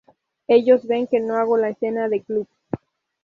Ellos ven que no hago la escena de clubs.